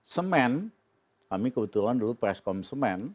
semen kami kebetulan dulu press com semen